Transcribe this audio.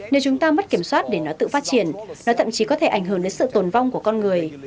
nếu chúng ta mất kiểm soát để nó tự phát triển nó thậm chí có thể ảnh hưởng đến sự tồn vong của con người